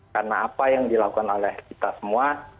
karena apa yang dilakukan oleh kita semua